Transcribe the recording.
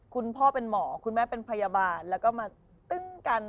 คุณพ่อเป็นหมอคุณแม่เป็นพยาบาลแล้วก็มาตึ้งกัน